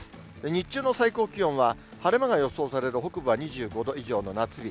日中の最高気温は、晴れ間が予想される北部は２５度以上の夏日。